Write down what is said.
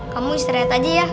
kamu istirahat aja ya